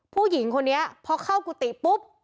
ผู้หญิงคนนี้พอเข้ากุฏิปุ๊บ